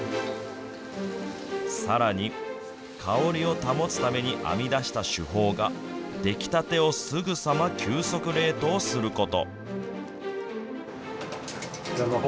さらに、香りを保つために編み出した手法が、出来たてをすぐさま急速冷凍すること。